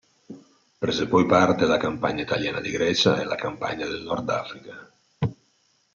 Prese poi parte alla Campagna italiana di Grecia e alla Campagna del Nordafrica.